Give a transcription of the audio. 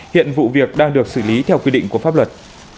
hiện vụ việc đang được xử lý theo quy định của pháp luật